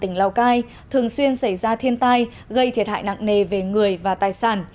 tỉnh lào cai thường xuyên xảy ra thiên tai gây thiệt hại nặng nề về người và tài sản